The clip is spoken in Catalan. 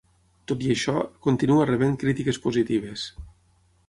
Tot i això, continua rebent crítiques positives.